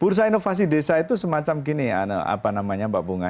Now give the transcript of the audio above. bursa inovasi desa itu semacam gini ya apa namanya mbak bunga